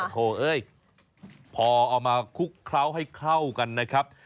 โถเอ้ยพอเอามาคลุกเคล้าให้เข้ากันนะครับ